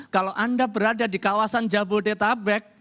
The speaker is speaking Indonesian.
kalau anda berada di kawasan jabodetabek